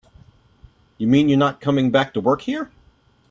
You mean you're not coming back to work here?